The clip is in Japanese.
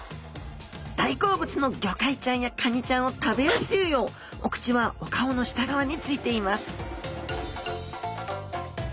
大好物のゴカイちゃんやカニちゃんを食べやすいようお口はお顔の下側についています